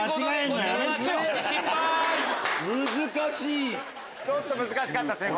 ちょっと難しかったですね。